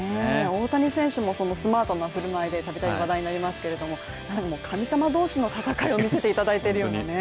大谷選手もスマートな振る舞いで度々話題になりますけれども神様同士の戦いを見せていただいているようなね。